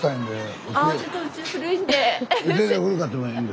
全然古かってもええんで。